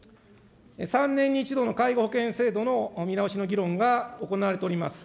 ３年に１度の介護保険制度の見直しの議論が行われております。